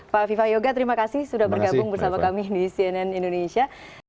pak viva yoga terima kasih sudah bergabung bersama kami di cnn indonesia